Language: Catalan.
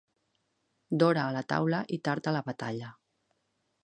D'hora a la taula i tard a la batalla.